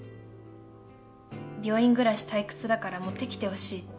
病院暮らし退屈だから持ってきてほしいって。